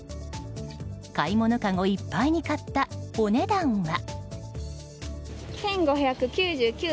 買い物かごいっぱいに買ったお値段は。